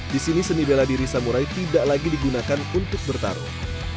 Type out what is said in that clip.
di sini seni bela diri samurai tidak lagi digunakan untuk bertarung